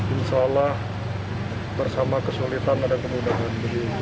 insya allah bersama kesulitan dan kemudahan beliau